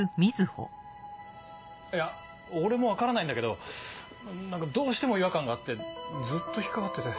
いや俺も分からないんだけど何かどうしても違和感があってずっと引っ掛かってて。